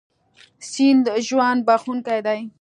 سیند ژوند بښونکی دی.